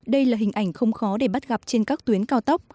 đây là hình ảnh không khó để bắt gặp trên các tuyến cao tốc